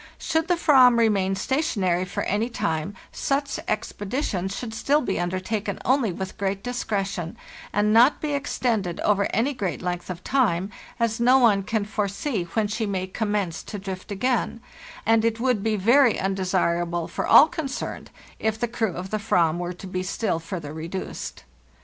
Should the /vam remain stationary for any time, such expeditions should still be undertaken only with great discretion, and not be extended over any great length of time, as no one can foresee when she may commence to drift again, and it would be very un desirable for all concerned if the crew of the Avram were to be still further reduced.